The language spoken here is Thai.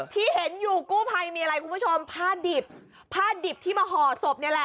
ที่เห็นอยู่กู้ภัยมีอะไรคุณผู้ชมผ้าดิบผ้าดิบที่มาห่อศพนี่แหละ